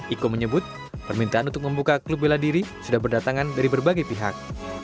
iko menyebut permintaan untuk membuka klub bela diri sudah berdatangan dari berbagai pihak